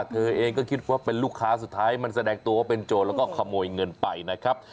เธอเองก็คิดว่าเป็นลูกค้าสุดท้ายมันแสดงตัวว่าเป็นโจรแล้วก็ขโมยเงินไปนะครับ